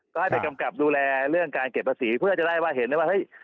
ก็ให้ไปกำกับดูแลเรื่องการเก็บภาษีเพื่อจะได้ว่าเห็นได้ว่าเฮ้ย